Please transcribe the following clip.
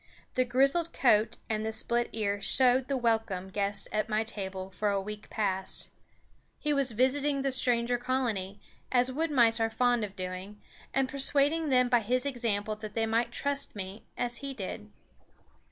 The grizzled coat and the split ear showed the welcome guest at my table for a week past. He was visiting the stranger colony, as wood mice are fond of doing, and persuading them by his example that they might trust me, as he did.